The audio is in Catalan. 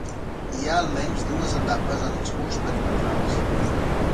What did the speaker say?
Hi ha almenys dues etapes en els murs perimetrals.